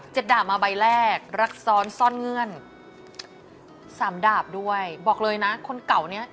ดาบมาใบแรกรักซ้อนซ่อนเงื่อนสามดาบด้วยบอกเลยนะคนเก่าเนี้ย